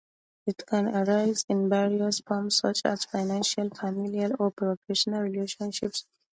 It can arise in various forms, such as financial, familial, or professional relationships.